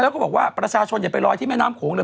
แล้วก็บอกว่าประชาชนอย่าไปลอยที่แม่น้ำโขงเลย